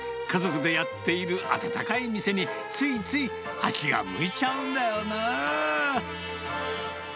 家族でやっている温かい店に、ついつい足が向いちゃうんだよなあ。